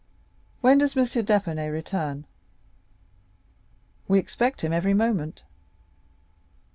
"When does M. d'Épinay return?" "We expect him every moment."